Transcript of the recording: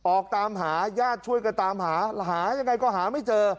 ออกตามหาญาติช่วยกันตามหาหายังไงก็หาไม่เจอ